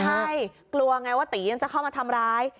ใช่กลัวไงว่าตียังจะเข้ามาทำร้าย